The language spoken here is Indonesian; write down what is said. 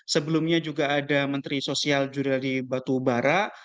sebelumnya juga ada menteri sosial juriladi batu ubarra